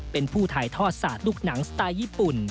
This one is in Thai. เป็นผู้ถ่ายทอดศาสตร์ลูกหนังสไตล์ญี่ปุ่น